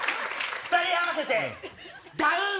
２人合わせてダウン！